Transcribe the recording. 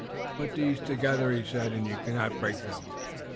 "Put these together," he said, "and you cannot break them.